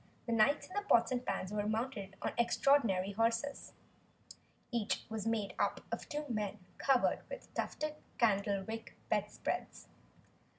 The knights in their pots and pans were mounted on extraordinary horses. Each was made up of two men covered with tufted candlewick bedspreads.